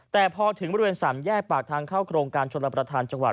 แต่พอถึงบริเวณสามแยกปากทางเข้าโครงการชนรับประทานจังหวัด